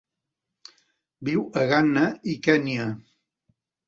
Viu a Ghana i Kenya.